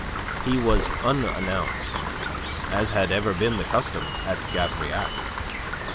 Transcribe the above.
He was unannounced, as had ever been the custom at Gavrillac.